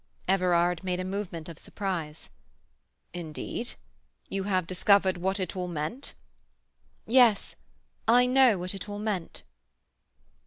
Everard made a movement of surprise. "Indeed? You have discovered what it all meant?" "Yes, I know what it all meant."